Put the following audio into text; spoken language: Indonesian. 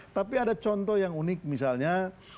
tapi ada contoh yang unik misalnya